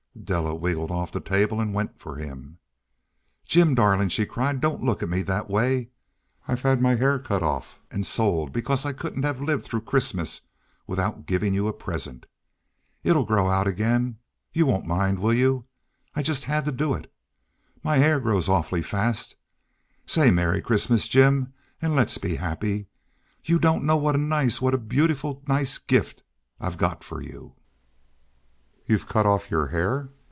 Della wriggled off the table and went for him. "Jim, darling," she cried, "don't look at me that way. I had my hair cut off and sold because I couldn't have lived through Christmas without giving you a present. It'll grow out again—you won't mind, will you? I just had to do it. My hair grows awfully fast. Say 'Merry Christmas!' Jim, and let's be happy. You don't know what a nice—what a beautiful, nice gift I've got for you." "You've cut off your hair?"